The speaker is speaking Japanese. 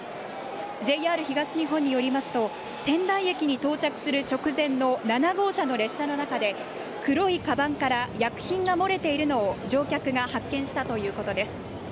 ＪＲ東日本によりますと仙台駅に到着する直前の７号車の列車の中で黒いかばんから薬品が漏れているのを乗客が発見したということです。